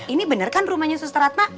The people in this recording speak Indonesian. ini bener kan rumahnya susteratna